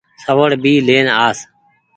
سوڙ ڀي لين آس۔